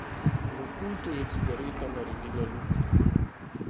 V pultu je cigareta naredila luknjo.